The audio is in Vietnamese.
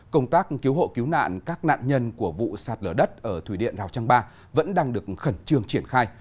công tác cứu hộ cứu nạn các nạn nhân của vụ sạt lở đất ở thủy điện rào trang ba vẫn đang được khẩn trương triển khai